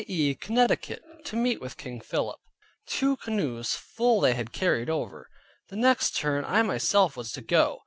e. Connecticut, to meet with King Philip. Two canoes full they had carried over; the next turn I myself was to go.